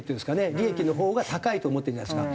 利益のほうが高いと思ってるんじゃないですか。